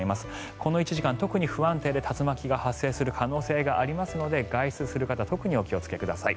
この１時間、特に不安定で竜巻が発生する可能性がありますので外出する方特にお気をつけください。